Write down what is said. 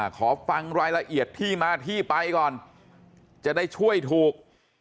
ขอฟังรายละเอียดที่มาที่ไปก่อนจะได้ช่วยถูก